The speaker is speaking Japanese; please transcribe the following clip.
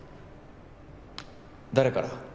誰から？